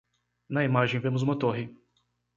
Na imagem vemos uma torre.